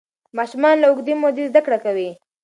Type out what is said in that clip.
ماشومان له اوږدې مودې زده کړه کوي.